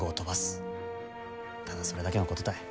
ただそれだけのことたい。